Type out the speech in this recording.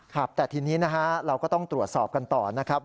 ครับแต่ทีนี้นะฮะเราก็ต้องตรวจสอบกันต่อนะครับ